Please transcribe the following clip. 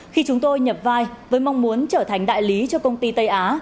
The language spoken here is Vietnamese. khi chúng tôi nhập vai với mong muốn trở thành đại lý cho công ty tây á